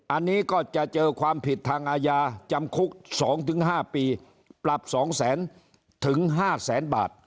อันนี้ก็จะเจอความผิดทางอาญาจำคุก๒๕ปีปรับ๒๐๐๐ถึง๕แสนบาท